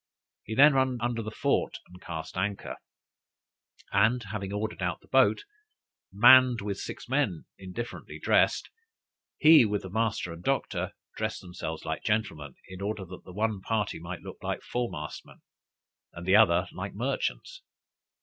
He then ran under the fort and cast anchor, and having ordered out the boat, manned with six men indifferently dressed, he, with the master and doctor, dressed themselves like gentlemen, in order that the one party might look like foremastmen, and the other like merchants.